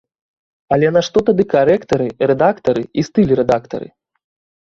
Але нашто тады карэктары, рэдактары і стыль-рэдактары?